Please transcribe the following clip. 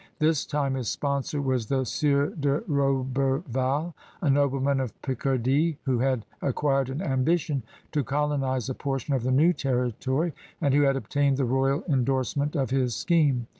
This time his sponsor was the Sieur de Roberval, a nobleman of Picardy, who had acquired an ambition to colonize a portion of the new territory and who had obtained the royal endorsement of his scheme.